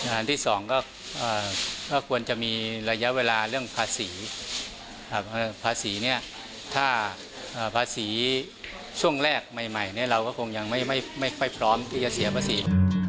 อันที่๒ก็ควรจะมีระยะเวลาเรื่องภาษีภาษีเนี่ยถ้าภาษีช่วงแรกใหม่เราก็คงยังไม่ค่อยพร้อมที่จะเสียภาษี